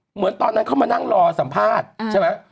เหมือนตอนนั้นเขามานั่งรอสัมภาษณ์ใช่ไหม